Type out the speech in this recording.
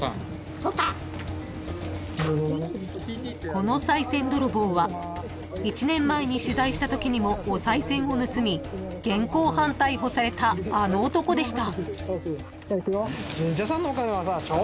［このさい銭ドロボーは１年前に取材したときにもおさい銭を盗み現行犯逮捕されたあの男でした］